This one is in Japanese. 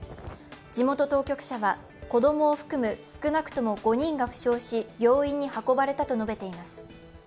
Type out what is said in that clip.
地元当局者は子供を少なくとも少なくとも５人が負傷し病院に運ばれたと述べています。